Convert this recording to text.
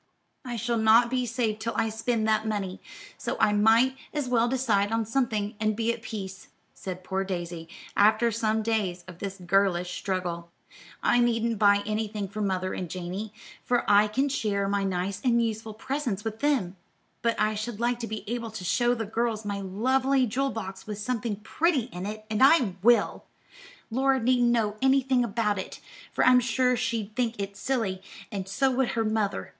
"I shall not be safe till I spend that money, so I might as well decide on something and be at peace," said poor Daisy, after some days of this girlish struggle; "I needn't buy anything for mother and Janey, for I can share my nice and useful presents with them; but I should like to be able to show the girls my lovely jewel box with something pretty in it, and I will! Laura needn't know anything about it, for I'm sure she'd think it silly, and so would her mother.